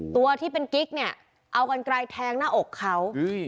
ตัวที่เป็นกิ๊กเนี่ยเอากันไกลแทงหน้าอกเขา